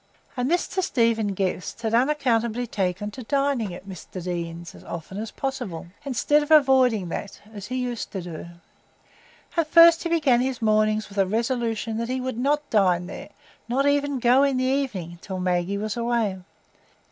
And Mr Stephen Guest had unaccountably taken to dining at Mr Deane's as often as possible, instead of avoiding that, as he used to do. At first he began his mornings with a resolution that he would not dine there, not even go in the evening, till Maggie was away.